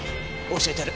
教えてやる。